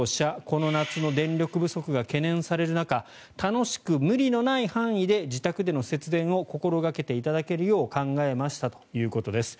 この夏の電力不足が懸念される中楽しく無理のない範囲で自宅での節電を心掛けていただけるよう考えましたということです。